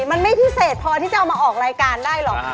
มันไม่พิเศษพอที่จะเอามาออกรายการได้หรอก